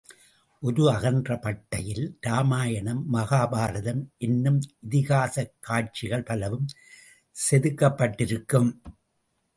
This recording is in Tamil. ஒரு அகன்ற பட்டையில் ராமாயணம், மகாபாரதம் என்னும் இதிகாசக் காட்சிகள் பலவும் செதுக்கப்பட்டிருக்கும்.